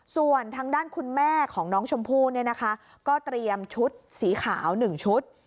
ส่วนทางด้านคุณแม่ของน้องชมพู่เนี่ยนะคะก็เตรียมชุดสีขาว๑ชุด